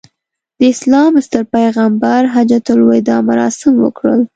د اسلام ستر پیغمبر حجته الوداع مراسم وکړل.